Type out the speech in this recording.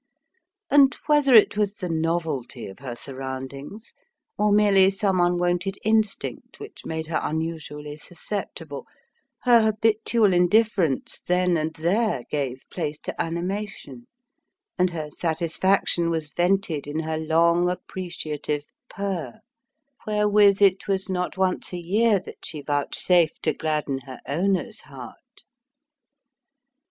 And, whether it was the novelty of her surroundings, or merely some unwonted instinct which made her unusually susceptible, her habitual indifference then and there gave place to animation, and her satisfaction was vented in her long, appreciative purr, wherewith it was not once a year that she vouchsafed to gladden her owner's heart.